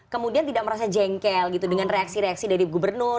kemudian tidak merasa jengkel gitu dengan reaksi reaksi dari gubernur